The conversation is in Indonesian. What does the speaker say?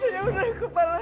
ya udah kepala